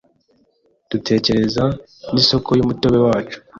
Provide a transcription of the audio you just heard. Dutekereza n’isoko ry’umutobe wacu